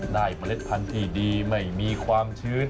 เมล็ดพันธุ์ที่ดีไม่มีความชื้น